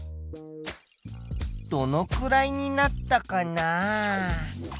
どのくらいになったかな？